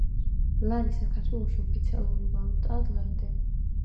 ლარი საქართველოში ოფიციალური ვალუტაა დღემდე